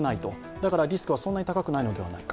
だからリスクはそんなに高くないのではないか。